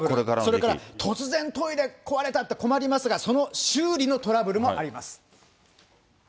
それから突然トイレ壊れたって困りますが、その修理のトラブルもあります。